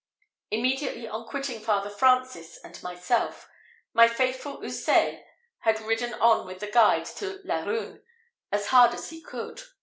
Immediately on quitting Father Francis and myself, my faithful Houssaye had ridden on with the guide to Laruns, as hard as he could.